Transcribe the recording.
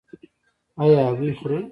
ایا هګۍ خورئ؟